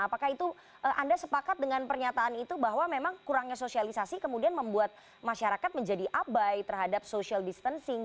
apakah itu anda sepakat dengan pernyataan itu bahwa memang kurangnya sosialisasi kemudian membuat masyarakat menjadi abai terhadap social distancing